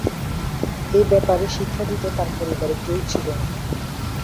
এই ব্যাপারে শিক্ষা দিতে তার পরিবারে কেউ ছিল না।